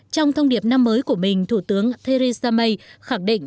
trong thông điệp năm mới của mình thủ tướng theresa may khẳng định